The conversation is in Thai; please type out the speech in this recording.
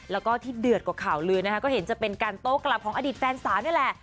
แล้วก็ที่เดือดกว่าข่าวลือนะคะก็เห็นจะเป็นการโต้กลับของอดีตแฟนสาวนี่แหละ